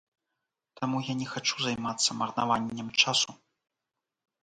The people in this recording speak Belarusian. Таму я не хачу займацца марнаваннем часу.